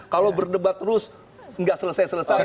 kalau berdebat terus nggak selesai selesai